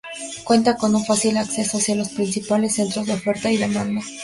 Cuenta con un fácil acceso hacia los principales centros de oferta y demanda.